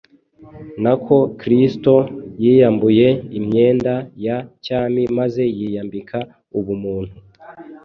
nako Kristo yiyambuye imyenda ya cyami maze yiyambika ubumuntu,